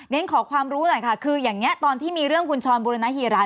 ขอความรู้หน่อยค่ะคืออย่างนี้ตอนที่มีเรื่องคุณชรบุรณฮีราน